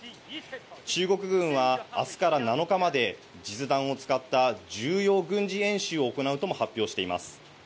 中国軍は明日から７日まで実弾を使った重要軍事演習を行うとも発表しています。